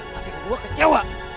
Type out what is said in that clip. tapi gue kecewa